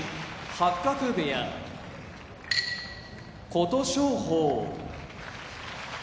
八角部屋琴勝峰